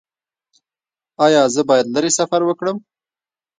ایا زه باید لرې سفر وکړم؟